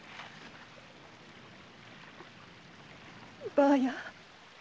ばあや。